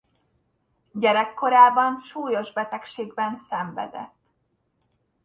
Gyerekkorában súlyos betegségben szenvedett.